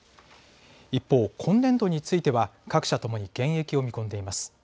一方、今年度については各社ともに減益を見込んでいます。